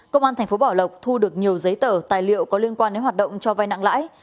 công an tp bảo lộc thu được nhiều giấy tờ tài liệu có liên quan đến hoạt động cho vai nặng lãi